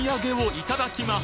いただきます！